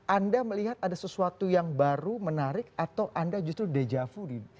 anda melihat ada sesuatu yang baru menarik atau anda justru dejavu di